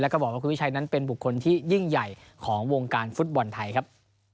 แล้วก็บอกว่าคุณวิชัยนั้นเป็นบุคคลที่ยิ่งใหญ่ของวงการฟุตบอลไทยครับ